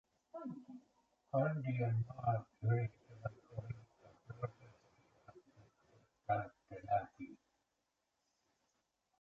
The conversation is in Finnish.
Andien maat yrittävät oppia jotain siitä prosessista, jota käytte läpi.